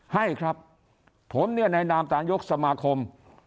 ให้ครับผมเนี่ยในนามตามยกสมาคม